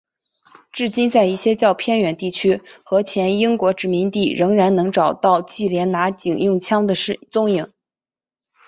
至今在一些较偏远地区和前英国殖民地仍然能够找到忌连拿警用枪的踪影。